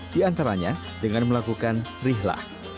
di antaranya dengan melakukan rihlah